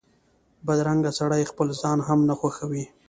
بدرنګه سړی خپل ځان هم نه خوښوي